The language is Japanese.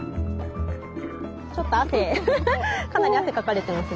ちょっと汗かなり汗かかれてますね。